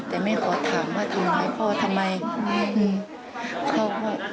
แต่แม่ขอถามว่าทำร้ายพ่อทำไมอืม